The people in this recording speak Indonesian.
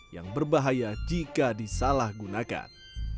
yang berbahaya jika disalahgunakan